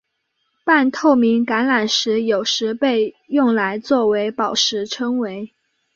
半透明橄榄石有时被用来作为宝石称为。